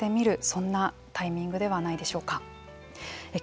そんなタイミングではないでしょうか。